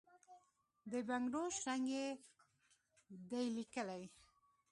د بنګړو شرنګ یې دی لېکلی،